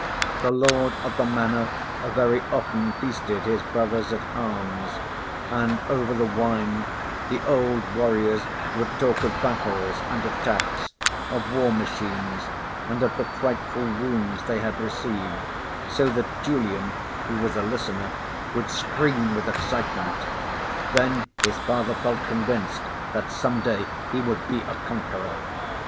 The lord of the manor very often feasted his brothers at arms, and over the wine the old warriors would talk of battles and attacks, of war machines and of the frightful wounds they had received, so that Julian, who was a listener, would scream with excitement; then his father felt convinced that some day he would be a conqueror.